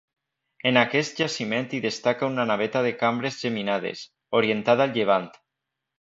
En aquest jaciment hi destaca una naveta de cambres geminades, orientada al llevant.